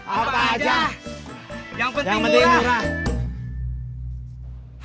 apa aja yang penting murah